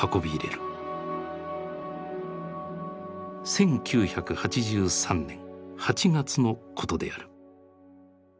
１９８３年８月のことである。